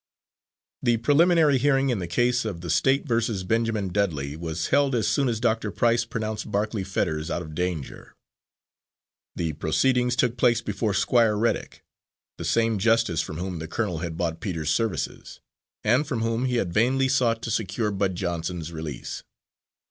The preliminary hearing in the case of the State vs. Benjamin Dudley was held as soon as Doctor Price pronounced Barclay Fetters out of danger. The proceedings took place before Squire Reddick, the same justice from whom the colonel had bought Peter's services, and from whom he had vainly sought to secure Bud Johnson's release.